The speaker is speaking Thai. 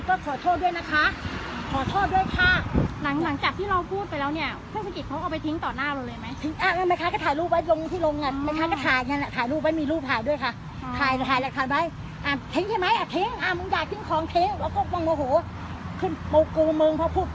ก็ขอโทษด้วยนะคะขอโทษด้วยค่ะหลังจากที่เราพูด